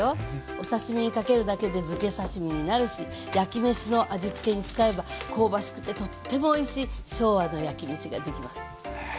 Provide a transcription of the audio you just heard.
お刺身にかけるだけでづけ刺身になるし焼きめしの味つけに使えば香ばしくてとってもおいしい昭和の焼きめしができます。